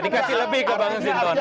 dikasih lebih ke pak mas hinton